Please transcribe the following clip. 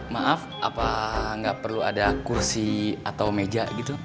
maaf apa nggak perlu ada kursi atau meja gitu